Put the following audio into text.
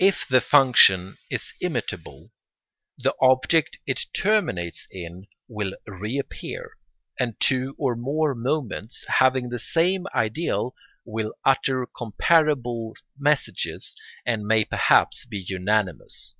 If the function is imitable, the object it terminates in will reappear, and two or more moments, having the same ideal, will utter comparable messages and may perhaps be unanimous.